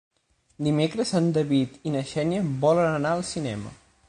Dimecres en David i na Xènia volen anar al cinema.